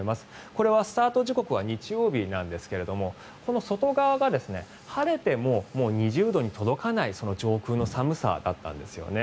これはスタート時刻は日曜日なんですがこの外側が晴れても２０度に届かない上空の寒さだったんですよね。